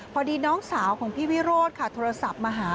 พอดีน้องสาวของพี่วิโรธค่ะโทรศัพท์มาหา